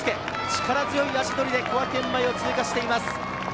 力強い足取りで小涌園前を通過しています。